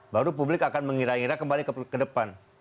baru publik akan mengira ngira kembali ke depan